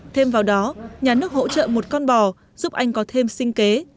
thêm vào đó nhà nước hỗ trợ một con bò giúp anh có thêm sinh kế